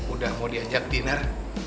udah mau diajak diner